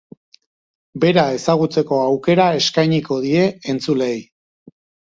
Bera ezagutzeko aukera eskainiko die entzuleei.